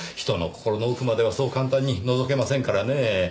人の心の奥まではそう簡単にのぞけませんからねぇ。